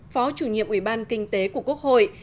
phó chủ nhiệm ủy ban kinh tế của quốc hội